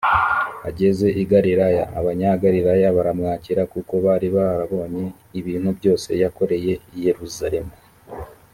ageze i galilaya abanyagalilaya baramwakira kuko bari barabonye ibintu byose yakoreye i yeluzalemu